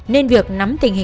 nên việc nắm thông tin